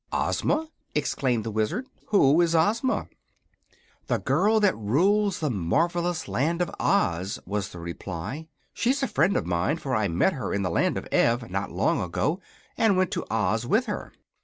"Ozma!" exclaimed the Wizard. "Who is Ozma?" "The girl that rules the marvelous Land of Oz," was the reply. "She's a friend of mine, for I met her in the Land of Ev, not long ago, and went to Oz with her."